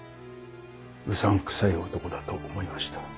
うさんくさい男だと思いました。